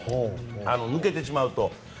抜けてしまうと。